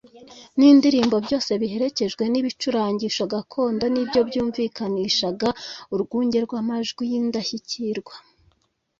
n’indirimbo byose biherekejwe n’ibicurangisho gakondo nibyo byumvikanishaga urwunge rw’amajwi y’Indashyikirwa